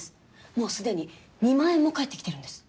もうすでに２万円も返ってきてるんです。